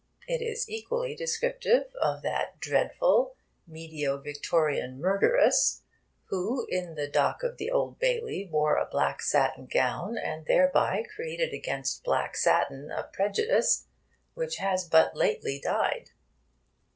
it is equally descriptive of that dreadful medio Victorian murderess who in the dock of the Old Bailey wore a black satin gown, and thereby created against black satin a prejudice which has but lately died.